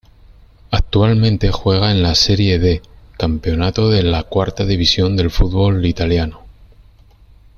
Actualmente juega en la Serie D, campeonato de la cuarta división del fútbol italiano.